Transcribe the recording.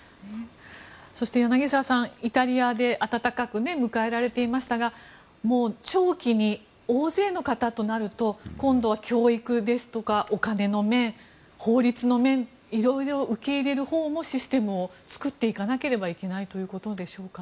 そして柳澤さんイタリアで温かく迎え入れられていましたが長期に大勢の方となると今度は教育ですとかお金の面法律の面、いろいろ受け入れるほうもシステムを作っていかなければいけないということでしょうか。